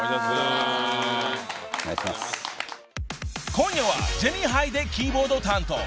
［今夜はジェニーハイでキーボードを担当］